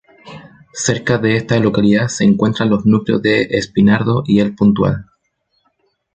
Cerca de esta localidad se encuentran los núcleos de Espinardo y El Puntal.